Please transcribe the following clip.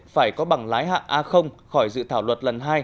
phải có bằng lái hạng a khỏi dự thảo luật lần hai